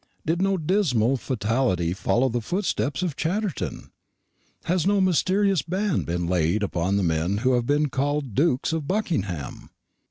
Did no dismal fatality follow the footsteps of Chatterton? Has no mysterious ban been laid upon the men who have been called Dukes of Buckingham?